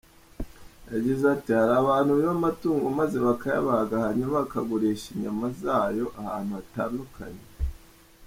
Yagize ati :"Hari abantu biba amatungo maze bakayabaga, hanyuma bakagurisha inyama zayo ahantu hatandukanye.